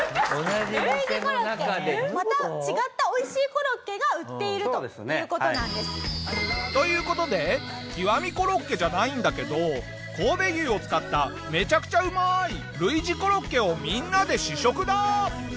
また違った美味しいコロッケが売っているという事なんです。という事で極みコロッケじゃないんだけど神戸牛を使っためちゃくちゃうまい類似コロッケをみんなで試食だ！